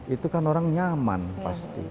itu kan orang nyaman pasti